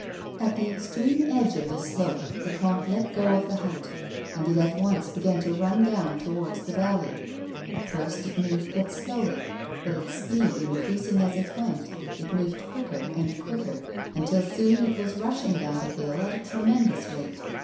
At the extreme edge of the slope, the comte let go of the hut, and it at once begun to run down towards the valley. At first it moved but slowly, but, its speed increasing as it went, it moved quicker and quicker, until soon it was rush ing down the hill at a tremendous rate.